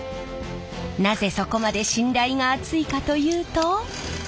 なぜそこまで信頼が厚いかというと。